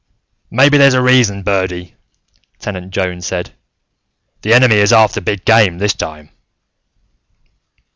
"Maybe there's a reason, Birdy," Tenant Jones said. "The Enemy is after big game, this time."